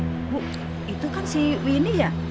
eh bu itu kan si wini ya